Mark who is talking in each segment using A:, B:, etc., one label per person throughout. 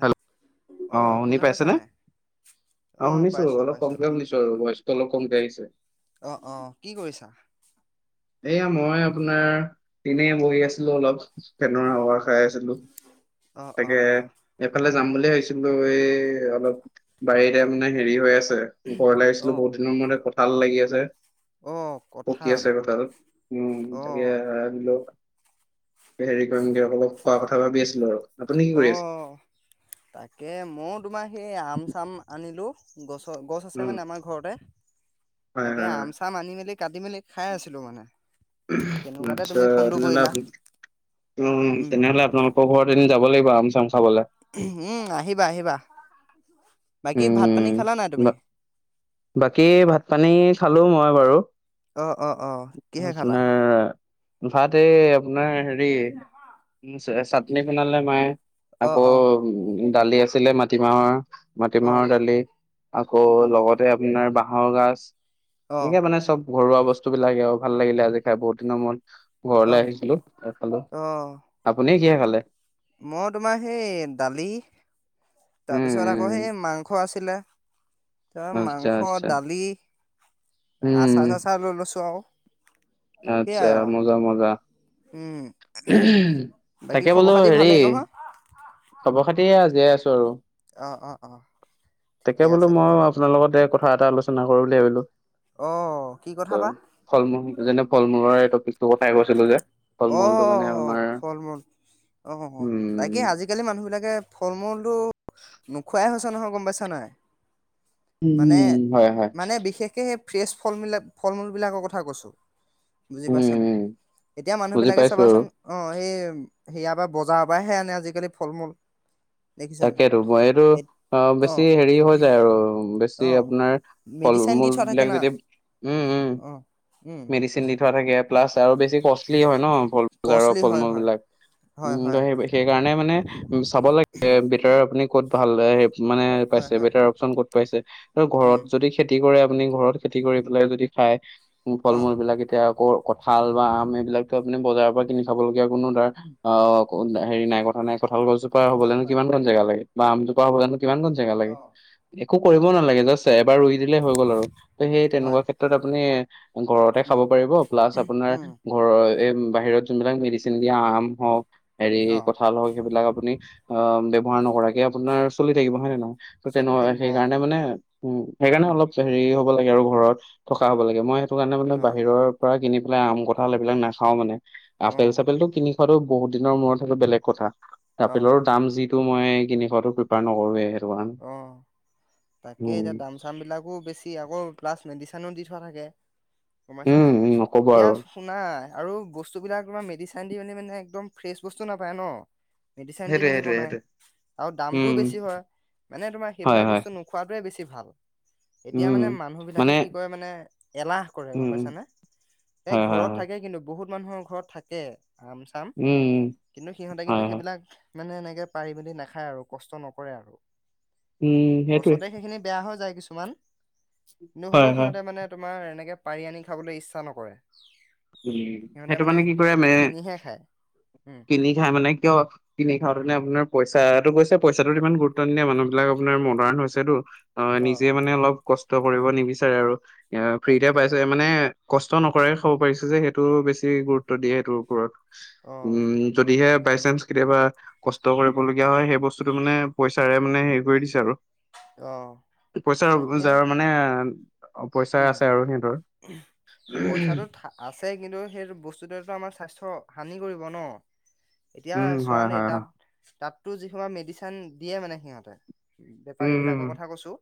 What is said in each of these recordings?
A: Hello, অ শুনি
B: শুনা পাইছা
A: পাইছেনে?
B: নাই
A: অ শুনিছো
B: পাইছো
A: অলপ
B: পাইছো
A: কমকৈ শুনিছোঁ। তোৰ ভয়ছটো অলপ কম কে আহিছে।
B: অ' অ' কি কৰিছা?
A: এইয়া মই আপোনাৰ এনে বহি আছিলো অলপ। ফেনৰ হাৱা খাই আছিলোঁ।
B: অ অ
A: তাকে'
B: অ
A: এইফালে যাম বুলিয়ে ভাবিছিলো এই অলপ। বাৰীতে মানে হেৰি হৈ আছে, ঘৰ
B: অ
A: লাগিছিলো বহুত দিনৰ মূতে কঁঠাল লাগি আছে।
B: অঁহ
A: পকি
B: কঁঠাল।
A: আছে কঁঠাল উম',
B: অ
A: তাকে বোলোঁ। হেৰি কৰিম দিয়ক অলপ খোৱা কথা ভাবি আছিলো আৰু আপুনি কি
B: অ
A: কৰি আছে?
B: তাকে মইও তোমাৰ সেই আম চাম আনিলো। গছ, গছ আছে
A: উম
B: মানে আমাৰ ঘৰতে
A: হয়
B: তাকে
A: হয়
B: আমচ
A: হয়
B: আম চাম আনি মেলি কাটি মেলি খাই আছিলোঁ মানে। তেনেকুৱাতে
A: আচ্ছা
B: তুমি ফোনটো
A: তেনেহলে
B: কৰিলা
A: আপ, উম তেনেহলে আপোনাৰ ঘৰত এদিন যাব লাগিব আম চাম খাবলে।
B: উম' আহিবা আহিবা, বাকী ভাত পানী
A: উম,
B: খালা নাই তুমি?
A: বা বাকী ভাত পানী খালো মই বাৰু।
B: অ অ অ কিহে খালা
A: আপোনাৰ ভাত এই আপোনাৰ হেৰি হেৰি চাটনি বনালে মায়ে,
B: অ
A: আকৌ
B: অ
A: উম দালি আছিলে মাটিমাহৰ
B: অ
A: মাটিমাহৰ দালি। আকৌ
B: অ
A: লগতে আপোনাৰ বাঁহৰ গাজ এনেকে মানে চব ঘৰুৱা বস্তু বিলাকে আৰু ভাল লাগিলে আজি খাই বহুত দিনৰ মুৰত।
B: অ
A: ঘৰলে আহিছিলো এখাললো,
B: অ অ
A: আপুনিয়ে কিহে খালে?
B: মই তোমাৰ সেই দালি,
A: উম
B: তাৰপিছত আকৌ
A: উম
B: সেই মাংস আছিলে। তাৰ
A: আচ্ছা
B: মাংস,
A: আচ্ছা
B: দালি,
A: উম
B: আচাৰ-চাচাৰ লৈ লৈছোঁ আও।
A: আচ্ছা' মজা মজা।
B: উম'
A: তাকে বোলো হেৰি
B: আহ আহ
A: খবৰ-খাতি এইয়া জীয়াই আছো আৰু।
B: অ', অ', অ', ঠিকে
A: তাকে বোলো
B: আছে
A: মই
B: তেতিয়া।
A: আপোনাৰ লগতে ক থা এটা আলোচনা কৰো বুলি ভাবিলো।
B: অ' কি কথা বা?
A: ফল-মূল যেনে ফল-মূলৰ এটোক [unintelligible] যে, ফল মূলটো মানে
B: অ',
A: আমাৰ,
B: ফল মূল অ',
A: উম'
B: তাকে আজি-কালি মানুহবিলাকে ফল-মূলতো নোখোৱাই হৈছে নহয় গম পাইছা নাই? মানে,
A: উম হয় হয়
B: মানে বিশেষকে সেই ফ্ৰেছ ফল মিলাক ফল-মূলবিলাকৰ কথা কৈছোঁ। বুজি পাইছা
A: উম
B: নাই?
A: উম
B: এতিয়া মানুহ
A: বুজি
B: বিলাকে
A: পাইছো আৰু
B: চাবাচোন- অঁ হেই, সেয়াৰ পৰা বজাৰৰ পৰাহে আনে আজিকালি ফল মূল। দেখিছা নাই
A: তাকেইতো মই এইটো
B: এ
A: অ' বেছি হেৰি হৈ যায় আৰু বেছি
B: অ
A: আপোনাৰ
B: মেডিচাইন দি
A: কল-মূল
B: থোৱা থাকে
A: বিলাক
B: না
A: যদি, উম-উম,
B: অ উম
A: মেডিচিন দি থোৱা থাকে ইয়াত প্লাচ আৰু বেছি কষ্টলি হয় ন' ফল বজাৰৰ
B: কষ্টলি হয়
A: ফল-মূল
B: হয়
A: বিলাক।
B: হয়
A: উম' ত
B: হয়
A: সেই সেইকাৰণে মানে চাব লাগে বেকাৰ আপুনি ক'ত ভাল হে মানে
B: হয়
A: পাইছে
B: হয়
A: বেটাৰ অপচন ক'ত পাইছে, নহ ঘৰত
B: উম
A: যদি খেতি কৰে আপুনি ঘৰত খেতি কৰি পেলাই যদি খাই,
B: অ
A: ফল-মূল বিলাক এতিয়া আকৌ কঠাল বা আম এইবিলাকতো আপুনি বজাৰৰ পৰা কিনি খাব লগীয়া কোনো ধৰা অ' হেৰি নাই মানে কঁঠাল গছজোপা
B: হয়
A: হ'বলেনো
B: হয়
A: কিমান কন জেগা লাগে বা আমজোপা হ'বলেনো কিমান কন জেগা লাগে?
B: অ
A: একো কৰিব নালাগে জাচ এবাৰ ৰুই দিলে হৈ গল আৰু, ত' সেই
B: হয়
A: তেনেকুৱা ক্ষেত্ৰত আপুনি ঘৰতে
B: উম
A: খাব পাৰিব প্লাছ আপোনাৰ
B: উম
A: ঘৰৰ এই বাহিৰত যোনবিলাক মেডিচিন দিয়া আম হওক হেৰি
B: অ
A: কঠাল হওক সেইবিলাক আপুনি অ' ব্যৱহাৰ নকৰাকে আপোনাৰ চলি থাকিব হয় নে নহয়? ত
B: চলি
A: তেনকা
B: থাকিব অ
A: সেইকাৰণে মানে, উ সেইকাৰণে
B: উম
A: অলপ হেৰি হ'ব লাগে আৰু ঘৰত থকা হ'ব লাগে মই টোকাৰণে মানে
B: অ
A: বাহিৰৰ পৰা কিনি পেলাই আম কঁঠাল এইবিলাক নাখাও মানে,
B: অ
A: আপেল চাপেলটো কিনি খোৱাটো বহুত দিনৰ মূৰত সেইটো বেলেগ কথা,
B: অ
A: আপেলৰ তাম যিটো মই কিনি খোৱাটো প্ৰিফাৰ নকৰোৱে। কাৰণে
B: অ', তাকে
A: উম
B: এতিয়া দাম চাম বিলাকো বেছি আকৌ প্লাছ মেডিচনো দি থোৱা থাকে, গম পাইছা
A: উম,
B: নাই?
A: উম, নক'ব
B: এতিয়া
A: আৰু।
B: শুনা আৰু বস্তুবিলাক তুমা মেডিচান দি মেনি মানে একদম ফ্ৰেচ বস্তু নাপাই ন? মেডিচিন দি
A: সেইটোৱে,
B: মেলি
A: সেইটোৱে,
B: বনাই,
A: সেইটোৱে।
B: আৰু
A: উম,
B: দামটোও বেছি হয়। মানে তোমাৰ
A: হয়,
B: সেইবিলাক
A: হয়,
B: বস্তু নোখোৱাটোৱে বেছি ভাল। এতিয়া
A: উম,
B: মানে
A: মানে
B: মানুহবিলাকে কি কৰে মানে এলাহ কৰে গম
A: উম,
B: পাইছানে? এ
A: হয়, হয়,
B: ঘৰত
A: হয়,
B: থাকে কিন্তু বহুত মানুহৰ ঘৰত থাকে আম-চাম।
A: উম, উম,
B: কিন্তু সিহঁতে
A: হয়,
B: কিন্তু
A: হয়,
B: সেইবিলাক মানে এনেকে পাৰি-মেলি নাখায় আৰু কষ্ট নকৰে আৰু।
A: উম, সেইটোৱে,
B: গছতে সেখিনি বেয়া হৈ যায় কিছুমান। নো'
A: হয়,
B: হ'লেও
A: হয়,
B: সিহঁতে মানে তোমাৰ এনেকে পাৰি আনি খাবলে ইচ্ছা নকৰে।
A: উম্, সেইটো মানে কি কৰে মে,
B: কিনিহে খায় উম।
A: কিনি খাই মানে কিয়- কিনি খাওঁতেনে
B: উম,
A: আপোনাৰ পইচা-টো গৈছে পইচাটোত ইমান গুৰুত্ব নিদিয়ে মানুহবিলাক আপোনাৰ মডাৰ্ণ হৈছেতো। অ' নিজে মানে অলপ কষ্ট কৰিব নিবিচাৰে আৰু, ফ্ৰীতে
B: তাকে
A: পাইছে মানে কষ্ট নকৰাই খাব পাৰিছে যে সেইটো বেছি গুৰুত্ব দিয়ে সেইটোৰ ওপৰত।
B: অ',
A: উম' যদিহে বাইচাঞ্চ কেতিয়াবা। কষ্ট কৰিবলগীয়া হয় সেই বস্তুটো মানে পইচাৰে মানে হেৰি কৰি দিছে আৰু।
B: অ',
A: পইচা
B: তাকে
A: যাৰ মানে অ পইচা
B: উম,
A: আছে আৰু সিহঁতৰ
B: পইচাটো থা- আছে কিন্তু সেই বস্তুটোৱেতো আমাৰ স্বাস্থ্য হানি কৰিব ন। এতিয়া
A: উম
B: চোৱা
A: হয়
B: দেই
A: হয়
B: তাত
A: হয়
B: তাতটো যিশোপা মেডিচিন দিয়ে মানে সিহঁতে বেপাৰী
A: উম উম
B: বিলাকৰ কথা কৈছোঁ।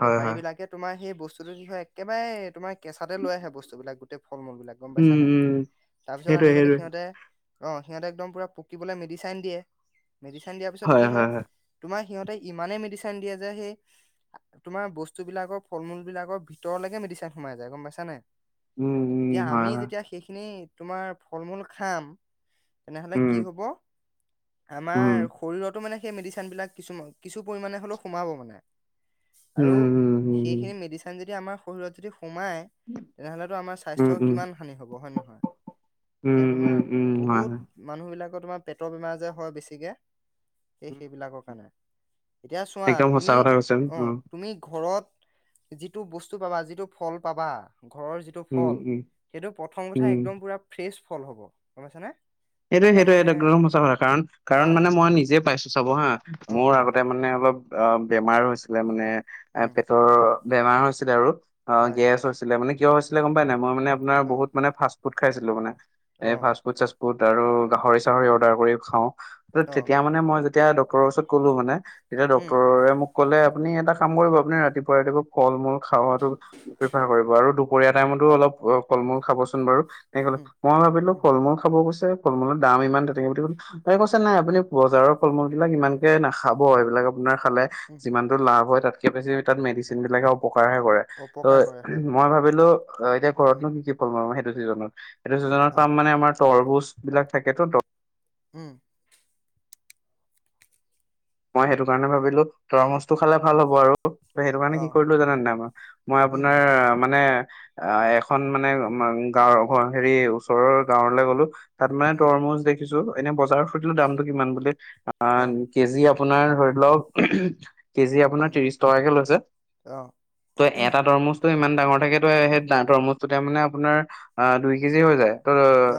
A: হয়
B: বেপাৰী
A: হয়
B: বিলাকে তোমাৰ সেই বস্তু, সেইটো কি হয় একেবাৰে তোমাৰ কেঁচাতে লৈ আহে বস্তু বিলাক গোটেই ফল মূল বিলাক। গম পাইছা
A: উম
B: নাই?
A: উম
B: তাৰপিছত
A: সেইটোৱে
B: আনি মেলি
A: সেইটোৱে
B: সিহঁতে অ সিহঁতে একদম পুৰা পকিবলৈ মেডিচিন দিয়ে মেডিচিন দিয়াৰ পিছত কি হয় তোমাৰ সিহঁতে ইমানে মেডিচিন দিয়ে যে সেই, তোমাৰ বস্তু বিলাকৰ ফল মূল বিলাক ভিতৰলৈকে মেডিচেন সোমাই যায় গম পাইছা নাই।
A: উম উম
B: এতিয়া
A: হয়
B: আমি
A: হয়
B: যেতিয়া সেইখিনি, তোমাৰ ফল মূল খাই তেনেহলে
A: উম
B: কি হব
A: উম
B: আমাৰ শৰীৰতো মানে সেই মেডিচিন বিলাক কিছু কিছু পৰিমাণে হ'লেও সোমাব মানে আৰু
A: উম উম উম
B: সেইখিনি মেডিচিন যেতিয়া আমাৰ শৰীৰত যদি সোমায় তেনেহলেতো আমাৰ
A: উম
B: স্বাস্থ্যৰ
A: উম
B: কিমান হানি হব হয় নে নহয়? এতিয়া
A: উম
B: তোমাৰ
A: উম উম হয়
B: বহুত
A: হয়
B: মানুহবিলাকৰ তোমাৰ পেটৰ বেমাৰ যে সেই বেছিকে। সেই
A: উম
B: সেইবিলাকৰ কাৰণে, এতিয়া চোৱা
A: একদম সঁচা
B: তুমি,
A: কথা কৈছে উম
B: অ' তুমি ঘৰত। যিটো বস্তু পাবা যিটো ফল পাবা ঘৰৰ যিটো টো
A: উম
B: ফল
A: উম
B: সেইটো প্ৰথম কথা
A: উম
B: একদম পুৰা ফ্ৰেছ ফল হ'ব গম পাইছানে?
A: সেইটোয়ে
B: একদম
A: সেইটোৱে
B: মানে
A: একদম সঁচা কথা কাৰণ কাৰণ
B: অ
A: মানে মই নিজে পাইছো চাব হা
B: অ
A: মোৰ আগত! তাতে মানে অলপ অ বেমাৰ হৈছিলে মানে আ
B: উম
A: পেটৰ বেমাৰ হৈছিলে আৰু! অ'
B: হয়
A: গেছ হৈছিলে মানে কিয় হৈছিলে গম পাই নাই। মই মানে আপোনাৰ
B: অ
A: বহুত মানে ফাষ্ট ফুড খাইছিলোঁ মানে। এ,
B: অ
A: ফাস্ত্ৰ [unintelligible] ফুড চা ফুড আৰু গাহৰি চাহৰি অৰ্ডাৰ কৰি খাওঁ
B: অ
A: তেতিয়া মানে মই তেতিয়া ডক্টৰৰ ওচৰত ক'লো মানে তেতিয়া
B: উম
A: ডক্টৰে মোক ক'লে আপুনি এটা কাম কৰিব আপুনি ৰাতিপুৱা ৰাতিপুৱা ফল মূল খোৱাটো প্ৰফাৰ কৰিব আৰু দুপৰীয়া টাইমতো অলপ অ ফল মূল খাবচোন বাৰু তেনে কলে
B: উম
A: মই ভাবিলো
B: উম
A: ফল মূল খাব কৈ ফলমূলৰ দাম ইমান তাই কৈছে নাই আপুনি বজাৰৰ ফল মূল বিলাক ইমানকে নাখাব এইবিলাক আপোনাৰ খালে
B: উম
A: যিমানটো লাভ হয় তাতকে বেছি তাত মেডিচিন বিলাকে অপকাৰহে কৰে। ত'
B: অপকাৰ কৰে হয় হয়
A: মই ভাবিলোঁ। অ এতিয়া
B: উম
A: ঘৰতনো কি কি ফল পাম সেইটো চিজনত সেইটো ছিজনত, সেইটো
B: অ
A: ছিজনত মানে আমাৰ তৰভোজ বিলাক থাকেতো ত
B: উম।
A: মই সেইটো কাৰণে ভাবিলো তৰমুজৰটো খালে ভাল
B: উম
A: হব আৰু ত সেইটো কাৰণে
B: অ
A: কি কৰিলো জানা নে নাই মই মই
B: উম
A: আপোনাৰ মানে আহ' এখন মানে গাঁৱৰ ঘ হেৰি ওচৰৰ গাঁৱলে গলোঁ। তাত মানে
B: উম
A: তৰমুজ দেখিছো এনে বজাৰত সুধিলো দামটো কিমান বুলি আ
B: অ
A: কেজি আপোনাৰ ধৰি লওক কেজি আপোনাৰ
B: উম
A: ত্ৰিশ টকাকে লৈছে।
B: অ
A: ত এটা তৰমুজ, ইমান ডাঙৰ থাকেতো সেই তৰমুজ টোতে মানে আপোনাৰ আহ দুই কেজি হৈ যায়। তো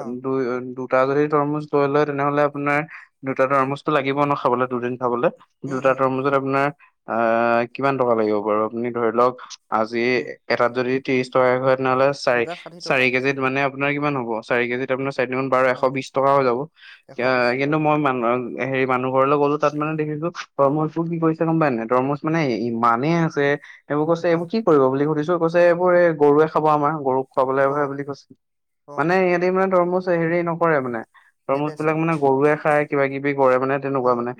B: অ
A: দুই দুটা যদি তৰমুজ লৈ লয় তেনেহ'লে আপোনাৰ দুটা তৰমুজটো লাগিব ন খাবলৈ দুদিন। খাবলে,
B: উম
A: দুটা
B: উম
A: তৰমুজত আপোনাৰ আহ কিমান টকা লাগিব বাৰু আপুনি ধৰি লওক আজি
B: উম
A: এটাত যদি ত্ৰিশ টকা হয় তেনেহ'লে চাৰি
B: দুটাত ষাঠি
A: চাৰি
B: টকা
A: কেজিত মানে আপোনাৰ কিমান হ'ব চাৰি কেজিত। আপোনাৰ চাৰি তিনি গুন বাৰ এশ
B: অ
A: বিশ টকা হৈ যাব
B: এশ
A: এ
B: বিশ টকা
A: কিন্তু
B: অ
A: মই মান হেৰি মানুহ ঘৰলৈ গ'লো। তাত মানে দেখিছো তৰমুজবোৰ কি কৰিছে গম পাই এনে তৰমুজ মানে
B: উম
A: ইমানেই আছে। এইবোৰ কৈছে
B: অ
A: এইবোৰ কি কৰিব বুলি সুধিছো কৈছে এইবোৰ এই গৰুৱে খাব আমাৰ গৰুক। খুৱাবলৈ
B: অ
A: হেই বুলি কৈছে।
B: অ
A: মানে সিহঁতে মানে তৰমুজ হেৰি নকৰে মানে। তৰমুজ
B: নেবেচে
A: বিলাক মানে গৰুৱে খায় কিবা কিবি কৰে মানে তেনেকোৱা
B: অ
A: মানে।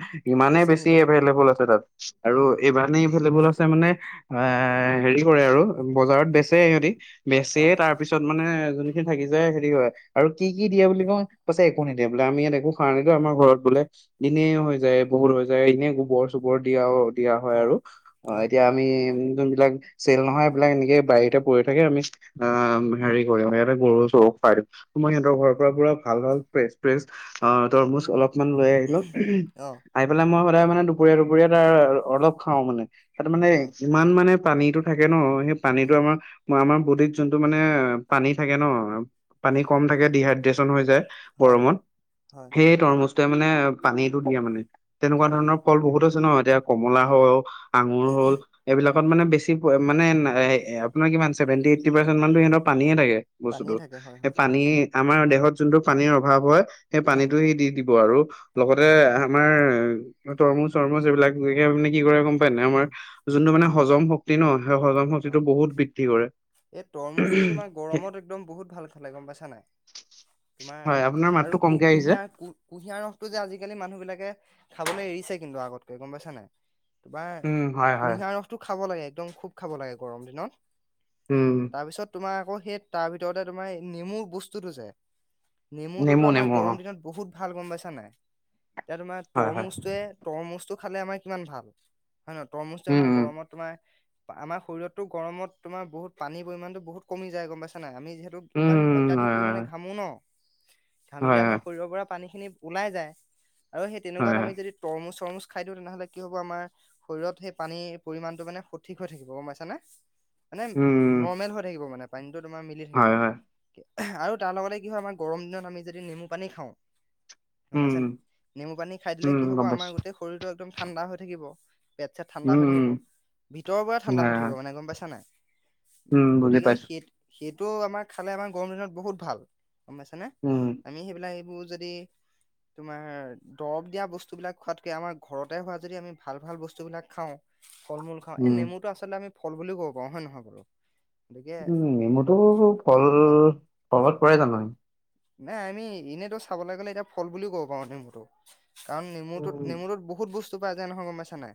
A: মানে বেছি
B: নিদিয়ে মানে
A: এভেলেবল আছে তাত আৰু
B: উম
A: এই। ই এভলেবল আছে মানে এ হেৰি কৰে আৰু। বজাৰত
B: উম
A: বেচি সিহঁতে বেচিয়
B: অ',
A: তাৰ। তাৰ পিছত মানে যোনখিনি থাকি যায় হেৰি হয় আৰু কি কি দিয়ে বুলি কওঁ তাৰ পিছত একো নিদিয়ে বোলে আমি ইয়াত একো। খৰাণো আমাৰ ঘৰত বোলে দিনেই হৈ যায়। বহুত হৈ যায়। এনেই গোবৰ চোবৰ দিয়া দিয়া হয় আৰু
B: অ',
A: অ এতিয়া। আমি যোনবিলাক চেল নহয় সেইবিলাক এনেকে বাৰীতে পৰি থাকে আমি অ'। উম হেৰি কৰে সিহঁতে গৰু চৰুক খুৱাই দিয়ে মই সিহঁৰ ঘৰৰ পৰা পুৰা ভাল ভালে ফ্ৰেছ। ফ্ৰেছ আ তৰমুজ
B: উম,
A: অলপমান লৈ আহিলো।
B: অ',
A: আহি পেলাই মই সদায় মানে দুপৰীয়া দুপৰীয়া তাৰ অলপ খাও মানে তাত মানে।
B: অ',
A: ইমান মানে পানীতটো থাকে ন সেই পানীটো
B: উম,
A: আমাৰ। ম আমাৰ বডীত যোনটো মানে পানী থাকে ন পানী
B: উম,
A: কম থাকে ডিহাইড্ৰেচন হৈ যায়।
B: হয়,
A: গৰমত
B: হয়, হয়,
A: সেই তৰমুজটোৱে মানে পানীটো দিয়ে মানে তেনেকুৱা
B: অ',
A: ধৰণৰ। ফল বহুত আছে ন এতিয়া কমলা
B: তাকে,
A: হ'ল আঙুৰ হ'ল
B: উম,
A: এইবিলাকত মানে বেছি। মানে আপোনাৰ কিমান চেভেন্টী এইটি পৰ্চেন্ত মান ত সিহতৰ পানীয়ে থাকে। বস্তুটো
B: পানীয়ে থাকে হয়,
A: এই
B: হয়,
A: পানী আমাৰ দেহত যোনটো পানীৰ অভাৱ হয়। সেই
B: উম,
A: পানীটো সি দি দিব আৰু লগতে
B: হয়,
A: আমাৰ। উম তৰমুজ চৰমুজ এইবিলাকে মানে কি কৰে গম পায় নে নাই আমাৰ
B: উম,
A: যোনটো মানে হজম শক্তি। তি ন সেই হজম শক্তিতো
B: অ'।
A: বহুত বৃদ্ধি কৰে।
B: এই তৰমুজ টোতো তোমাৰ গৰমত একদম বহুত ভাল খালে গম পাইছা নে নাই। তোমাৰ
A: হয় আপোনাৰ মাতটো
B: আৰু কু
A: কমকে আহিছে
B: কুঁহিয়াৰ কু। কুঁহিয়াৰ ৰসটো যে আজিকালি মানুহ বিলাকে খাবলৈ এৰিছে কিন্তু আগতকে গম পাইছা নাই। বা
A: উম হয় হয়
B: কুঁহিয়াৰ ৰসটো খাব লাগে একদম খুব খাব লাগে গৰম দিনত।
A: উম।
B: তাৰপিছত তোমাৰ আকৌ সেই তাৰ ভিতৰতে তোমাৰ নেমু বস্তুতটো যে। নেমুটোতো
A: নেমু
B: আমাৰ
A: নেমু অ
B: গৰম দিনত বহুত ভাল গম পাইছা নাই এতিয়া তোমাৰ
A: হয় হয়
B: তৰমুজটোৱে। তৰমুজটো খালে আমাৰ কিমান ভাল হয় নে নহয় তৰমুজটো
A: উম
B: আমাৰ
A: উম
B: গৰমত তোমাৰ। আমাৰ শৰীৰতো গৰমত তোমাৰ বহুত পানীৰ পৰিমাণতো বহুত কমি যায় গম পাইছা নাই আমি। যিহেতু ইমান
A: উম
B: অত্যাধিক
A: হয়
B: পৰিমানে
A: হয়
B: ঘামো ন ঘামিলে
A: হয়
B: আমাৰ শৰীৰৰ পৰা পানী খিনি। ওলাই যায় আৰু সেই
A: হয়
B: তেনেকুৱাত আমি
A: হয়
B: যদি তৰমুজ চৰমুজ। খাই দিওঁ তেনেহ'লে কি হ'ব আমাৰ শৰীৰত সেই পানীৰ পৰিমণটো মানে সঠিক হৈ থাকিব গম পাইছানে। মানে
A: উম
B: নৰ্মেল হৈ থাকিব মানে পানীটো তোমাৰ মিলি থাকিব।
A: হয় হয়
B: আৰু তাৰ লগতে কি হয় আমাৰ গৰম দিনত আমি যদি নেমু পানী খাওঁ।
A: উম
B: গমপাইছানে নেমু পানী খাই দিলে
A: উম
B: কি হব
A: গম পাইছো
B: আমাৰ গোটেই শৰীৰটো একদম ঠাণ্ডা হৈ থাকিব। পেট চেট ঠাণ্ডা হৈ
A: উম
B: থাকিব। ভিতৰৰ পৰা
A: উম
B: ঠাণ্ডা
A: হয়
B: হৈ থাকিব
A: হয়
B: মানে গম পাইছা নাই
A: উম বুজি
B: গতিকে
A: পাইছো
B: সীত। সেইটো আমাৰ খালে আমাৰ গৰম দিনত বহুত ভাল। গম পাইছা নে
A: উম
B: আমি সেইবিলাক এইবোৰ যদি। তোমাৰ দৰব দিয়া বস্তুবিলাক খোৱাতকে আমাৰ ঘৰতে হোৱা যদি আমি ভাল ভাল বস্তুবিলাক খাওঁ। ফল মূল খাওঁ এই
A: উম
B: নেমুটো আচলতে আমি ফল বুলিও ক'ব পাৰো হয় নহয় বাৰু? গতিকে
A: উম' নেমুতটো ফল
B: হয়
A: ফলত পৰে জানোঁ।
B: নাই আমি এনেতো চাবলৈ গ'লে এতিয়া ফল বুলিও ক'ব পাৰো নেমুতো। কাৰণ
A: উম
B: নেমুটোত নেমুটোত বহুত বস্তু পায় যায় নহয় গমাইছা নাই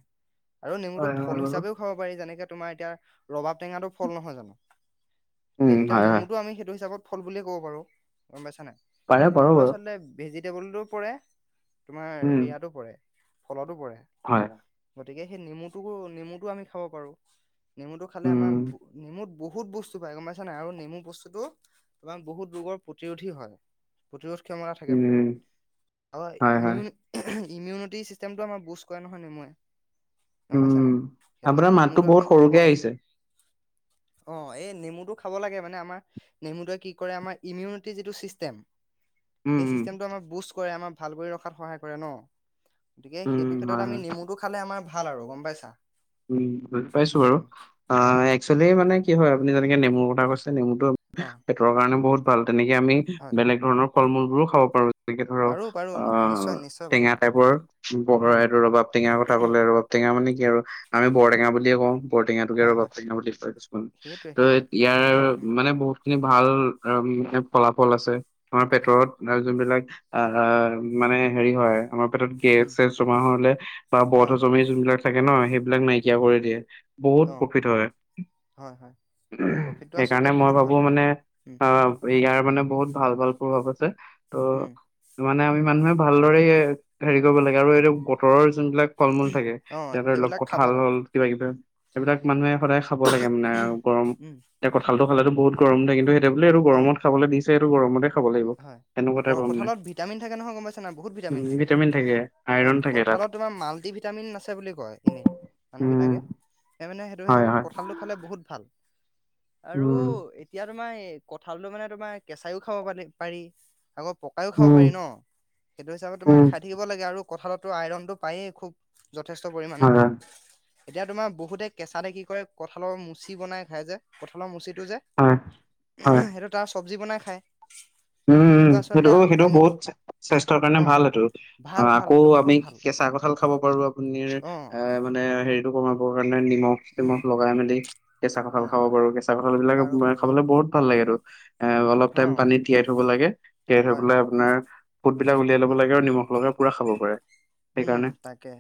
B: আৰু নেমুটো
A: হয় হয়
B: ফল
A: বাৰু
B: হিচাপেও- খাব পাৰি যেনেকে তোমাৰ এতিয়া ৰবাব টেঙা ফল নহয় জানো। তে
A: উম
B: এতিয়া
A: হয় হয়
B: নেমুটো আমি সেইটো হিচাপত ফল বুলিয়ে ক'ব পাৰো গম পাইছা নাই।
A: পাৰে পাৰো
B: নেমুটো
A: বাৰু
B: আচলতে ভেজিটেবলটো পৰে, তোমাৰ
A: উম
B: হেৰিয়াতো পৰে ফলতো পৰে।
A: হয়।
B: গতিকে সেই নেমুটো নেমুটো আমি খাব পাৰো। নেমুটো খালে আমাৰ
A: উম
B: নেমুত বহুত বস্তু পায় গম পাইছা নাই আৰু নেমু বস্তুতটো তোমাৰ বহুত ৰোগৰ প্ৰতিৰোধী হয়। প্ৰতিৰোধ ক্ষমতা থাকে
A: উম
B: বহুত, আ
A: হয় হয়
B: ইমিউন ইমিউনিটি চিষ্টেমটো আমাৰ বুষ্ট কৰে নহয় নেমুৱে। গম পাইছা নাই,
A: উম
B: সেইটো কাৰণে
A: আপোনাৰ মাতটো
B: নেমুটো আমি
A: বহুত
B: খাব
A: সৰুকে
B: লাগে।
A: আহিছে
B: অ এই নেমুটো খাব লাগে মানে আমাৰ নেমুটোয়ে কি কৰে আমাৰ ইমিউনিটি যিটো চিষ্টেম,
A: উম
B: সেই
A: উম
B: চিষ্টেমটো আমাৰ বুষ্ট ভাল কৰি ৰখাত সহায় কৰে ন, গতিকে সেইটো
A: উম
B: ক্ষেত্ৰ
A: হয়
B: আমি
A: হয়
B: নেমুটো খালে আমাৰ ভাল আৰু গম পাইছা।
A: উম বুজি পাইছো বাৰু
B: উম
A: অ এক্চুৱেলি মানে কি হয় আপুনি যেনেকে নেমুৰ কথা কৈছে নেমুটো
B: অ
A: পেতৰ কাৰণে বহুত ভাল তেনেকে আমি
B: হয়
A: বেলেগ ধৰণৰ ফল মূলবোৰো খাব পাৰো যেনেকে ধৰক
B: পাৰো পাৰো
A: আহ
B: নিশ্চয় নিশ্চয় পাৰো
A: টেঙা টাইপৰ বগা
B: উম
A: এইটো ৰবাব টেঙাৰ কথা ক'লে ৰবাব টেঙা মানে কি আৰু
B: অ
A: আমি বৰটেঙা বুলিয়ে কওঁ বৰটেঙাতোকে আৰু
B: হয় হয়
A: ৰবাবটেঙা বুলি কয় কিছুমান
B: সেইটোৱে সেইটোৱে
A: ইয়াৰ
B: উম
A: মানে বহুতখিনি ভাল ফলাফল আছে আমাৰ পেটত
B: হয়
A: যোনবিলাক আ মানে হেৰি হয়। আমাৰ পেটত গেছ
B: উম
A: চেছ জমা হলে বা
B: অ
A: বধজমি যোনবিলাক থাকে ন সেই বিলাক নাইকিয়া কৰি দিয়ে বহুত
B: অ
A: প্ৰফিত হয়।
B: হয় হয় প্ৰফিটটো আচলতে
A: সেইকাৰণে মই
B: বহুত
A: ভাবো
B: হয়
A: মানে
B: উম
A: আহ ইয়াৰ মানে বহুত ভাল ভাল প্ৰভাৱ আছে।
B: উম।
A: ত' মানে আমি মানুহে ভালদৰে এই হেৰি কৰিব লাগে আৰু এইটো বতৰৰ যোনবিলাক ফল মূল থাকে।
B: অ
A: তেহেতৰ
B: সেইবিলাক খাব
A: ভাল হ'ল
B: লাগে
A: কিবা কিবি এইবিলাক মানুহে সদায় খাব লাগে মানে আৰু গৰম
B: উম
A: এতিয়া কঁঠালটো খালেতু বহুত গৰম উঠে, কিন্তু সেই বোলে
B: অ
A: গৰম খাব দিছে আৰু গৰমতে খাব লাগিব
B: হয়
A: তেনেকুৱা টাইপৰ মানে
B: কঁঠালত ভিটামিন থাকে নহয় গম পাইছা নাই বহুত
A: উম,
B: ভিটামিন থাকে। অৱ
A: আইৰন থাকে তাত
B: কঁঠালত তোমাৰ মালদ্বীপ ভিটামিন আছে বুলি কয় এনে,
A: উম
B: মানুহবিলাকে সেই মানে সেইটো
A: হয়
B: হিচাপত
A: হয়
B: কঁঠালটো খালে বহুত ভাল আৰু
A: উম
B: এতিয়া তোমাৰ এই কঁঠালটো মানে তোমাৰ কেঁচাইও খাব পা পাৰি আকৌ পায়ো খাব
A: উম
B: পাৰি ন সেইটো হিচাপে তোমাৰ
A: উম
B: খাই থাকিব লাগে আৰু কঁঠালতো আইৰনতটো পায়েই খুব যথেষ্ট পৰিমাণে।
A: হয় হয়
B: এতিয়া তোমাৰ বহুতে কেঁচাতে কি কৰে কঁঠালৰ মুচি বনাই খাই যে, কঁঠালৰ মুচিটো যে
A: হয় হয়
B: সেইটো তাৰ চব্জি বনাই খাই।
A: উম সেইটো সেইটো
B: আমি
A: বহুত স্বাস্থ্যৰ কাৰণে
B: অ
A: ভাল সেটো অ
B: ভাল ভাল
A: আকৌ
B: সেইটো
A: আমি
B: বহুত ভাল
A: কেঁচা কঁঠাল খাব পাৰো আপুনিৰ
B: অ
A: এ মানে হেৰিতটো কমাবৰ কাৰণে নিমখ
B: উম
A: চিমখ লগাই মেলি কেঁচা কঁঠাল
B: অ
A: খাব পাৰো কেঁচা তাল কঠাল বিলাক
B: পাৰো পাৰো
A: খাব
B: অ
A: বহুত ভাল লাগে এইটো অলপ
B: অ
A: টাইম পানী তিয়াই থব লাগে তিয়াই থৈ
B: হয়
A: পেলাই
B: হয়
A: আপোনাৰ ফুটবিলাক উলিয়াই লব
B: উম
A: লাগে আৰু নিমখ লগাই পুৰা খাব পাৰে।
B: উম,
A: সেইকাৰণে
B: তাকে।